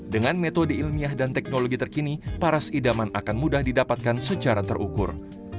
dengan metode ilmiah dan teknologi terkini paras idaman akan mudah didapatkan secara terukur